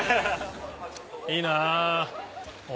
いいな！